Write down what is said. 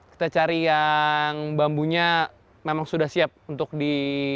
kita cari yang bambunya memang sudah siap untuk di